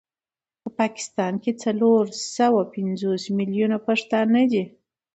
په پاکستان کي څلور سوه پنځوس مليونه پښتانه دي